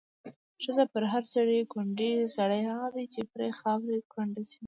ښځه په هر سړي کونډيږي، سړی هغه دی چې پرې خاوره کونډه شينه